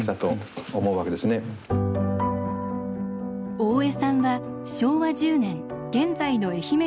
大江さんは昭和１０年現在の愛媛県